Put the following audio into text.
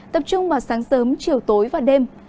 tập trung vào sáng sớm chiều tối và đêm